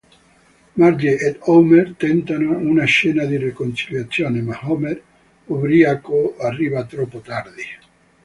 Marge ed Homer tentano una cena di riconciliazione, ma Homer ubriaco, arriva troppo tardi.